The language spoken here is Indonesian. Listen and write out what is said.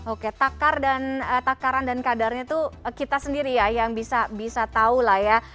oke takaran dan kadarnya itu kita sendiri ya yang bisa tahu lah ya